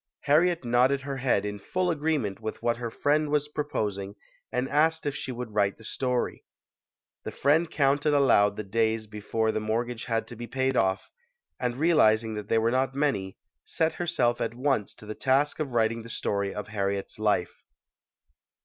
Harriet nodded her head in full agreement with what her friend was proposing and asked if she would write the story. The friend counted aloud the days before the mortgage had to be paid off and, realizing that they were not many, set herself at once to the task of writing the story of Harriet's life.